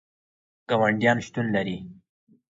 ګاونډیان شتون لري